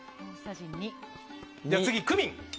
次、クミン。